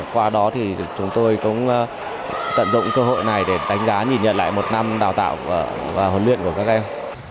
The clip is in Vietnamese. qua đó thì chúng tôi cũng tận dụng cơ hội này để đánh giá nhìn nhận lại một năm đào tạo và huấn luyện của các em